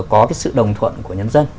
có cái sự đồng thuận của nhân dân